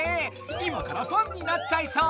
今からファンになっちゃいそう！